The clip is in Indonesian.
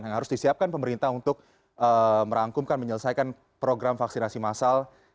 yang harus disiapkan pemerintah untuk merangkumkan menyelesaikan program vaksinasi massal